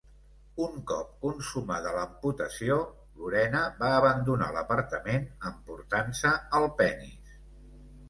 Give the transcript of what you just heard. Un cop consumada l'amputació, Lorena va abandonar l'apartament emportant-se el penis.